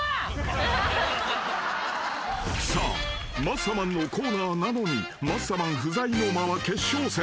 ［さあマッサマンのコーナーなのにマッサマン不在のまま決勝戦］